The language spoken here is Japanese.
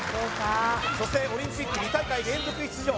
そしてオリンピック２大会連続出場